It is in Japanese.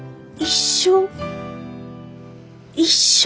一生？